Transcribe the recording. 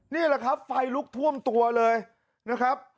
นี่แหละครับไฟลุกท่วมตัวเลยนะครับ